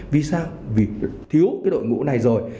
vì sao vì thiếu cái đội ngũ này rồi